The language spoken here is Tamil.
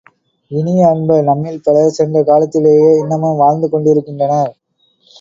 இனிய அன்ப, நம்மில் பலர் சென்ற காலத்திலேயே இன்னமும் வாழ்ந்து கொண்டிருக்கின்றனர்.